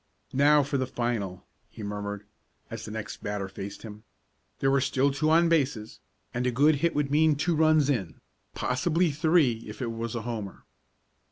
"Now for the final!" he murmured, as the next batter faced him. There were still two on bases, and a good hit would mean two runs in, possibly three if it was a homer.